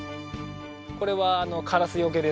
これはカラス除けです。